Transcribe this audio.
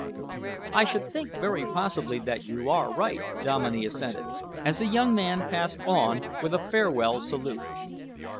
"I should think very possibly that you are right," Dominey assented, as the young man passed on with a farewell salute.